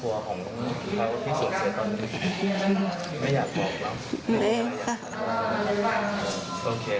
รู้สึกว่าพี่สู้เสียตอนนี้ไม่อยากบอกเหรอ